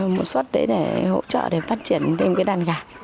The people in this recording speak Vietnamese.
một suất đấy để hỗ trợ để phát triển thêm cái đàn gà